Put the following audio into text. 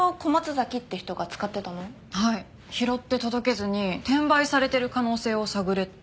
拾って届けずに転売されてる可能性を探れって。